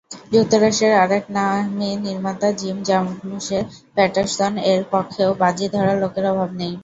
যুক্তরাষ্ট্রের আরেক নামি নির্মাতা জিম জারমুশের প্যাটারসন-এর পক্ষেও বাজি ধরার লোকের অভাব নেই।